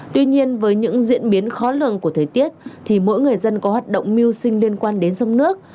tuy nhiên với những diễn biến khó lường của thời tiết thì mỗi người dân có hoạt động mưu sinh liên quan đến sông nước